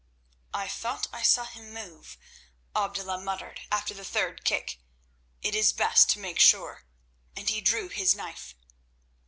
"I thought I saw him move," Abdullah muttered after the third kick; "it is best to make sure," and he drew his knife.